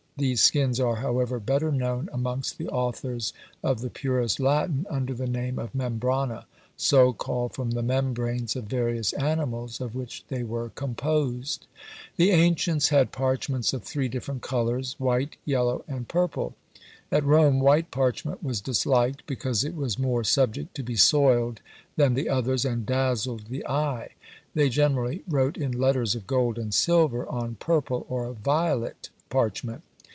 These skins are, however, better known amongst the authors of the purest Latin under the name of membrana; so called from the membranes of various animals of which they were composed. The ancients had parchments of three different colours, white, yellow, and purple. At Rome white parchment was disliked, because it was more subject to be soiled than the others, and dazzled the eye. They generally wrote in letters of gold and silver on purple or violet parchment.